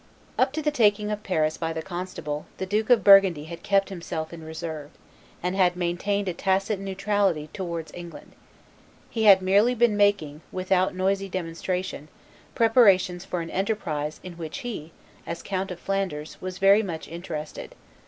Up to the taking of Paris by the constable the Duke of Burgundy had kept himself in reserve, and had maintained a tacit neutrality towards England; he had merely been making, without noisy demonstration, preparations for an enterprise in which he, as Count of Flanders, was very much interested.